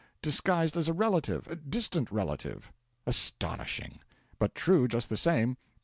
Disguised as a relative distant relative.' 'Astonishing!' 'But true just the same.